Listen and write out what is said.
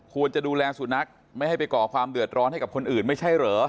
ควรจะดูแลสุนัขไม่ให้ไปก่อความเดือดร้อนให้กับคนอื่นไม่ใช่เหรอ